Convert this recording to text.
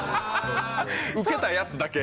うけたやつだけ。